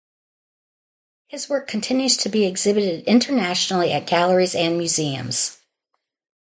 His work continues to be exhibited internationally at galleries and museums.